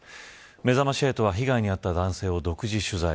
めざまし８は被害に遭った男性を独自取材。